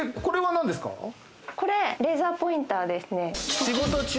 レーザーポインターですね。